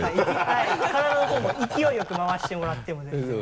はい体の方も勢いよく回してもらっても全然。